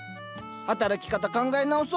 働き方考え直そう。